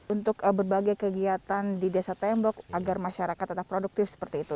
untuk berbagai kegiatan di desa tembok agar masyarakat tetap produktif seperti itu